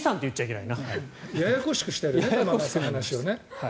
ややこしくしてるよね。